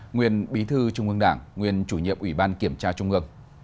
nguyên bí thư trung ương đảng nguyên chủ nhiệm ủy ban kiểm tra trung ương